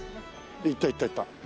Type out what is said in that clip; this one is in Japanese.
行った行った行った。